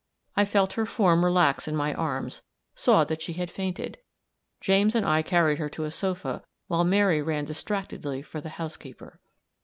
I felt her form relax in my arms, saw that she had fainted; James and I carried her to a sofa, while Mary ran distractedly for the housekeeper.